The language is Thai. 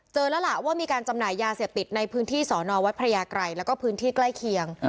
เจอแล้วล่ะว่ามีการจำหน่ายาเสียบติดในพื้นที่สนวพไกและก็พื้นที่ใกล้เคียง